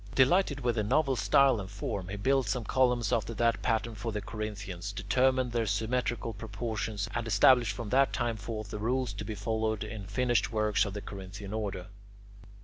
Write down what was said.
Delighted with the novel style and form, he built some columns after that pattern for the Corinthians, determined their symmetrical proportions, and established from that time forth the rules to be followed in finished works of the Corinthian order.